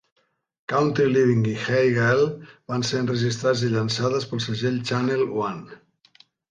"Country Living" i "Hey Girl" van ser enregistrats i llançades pel segell Channel One.